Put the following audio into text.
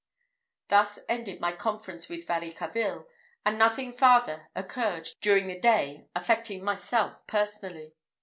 Thus ended my conference with Varicarville, and nothing farther occurred during the day affecting myself personally.